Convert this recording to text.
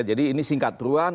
jadi ini singkat perubahan